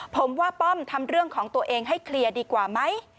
ผมว่าป้อมทำเรื่องของตัวเองให้เคลียร์ดีกว่าไหม